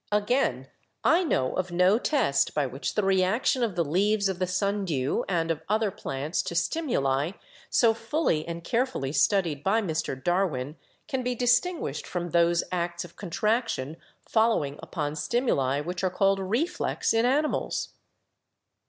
Again, I know of no test by which the reaction of the leaves of the Sundew and of other plants to stimuli, so fully and carefully studied by Mr. Darwin, can be distin guished from those acts of contraction following upon stimuli, which are called 'reflex' in animals.